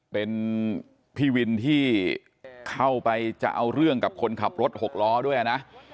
เป็นพี่วินที่เข้าไปจะเอาเรื่องกับคนขับรถหกล้อด้วยนะ